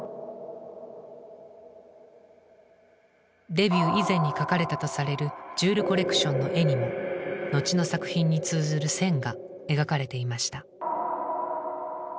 デビュー以前に描かれたとされるジュール・コレクションの絵にも後の作品に通ずる線が描かれていました。